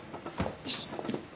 よし！